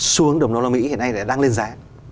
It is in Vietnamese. xuống đồng đô la mỹ hiện nay lại đang lên giá